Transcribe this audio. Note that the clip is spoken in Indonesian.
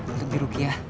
untuk dirugi ya